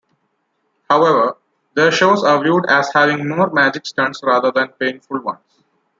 However, their shows are viewed as having more 'magic' stunts rather than painful ones.